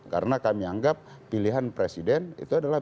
karena kami anggap pilihan presiden itu adalah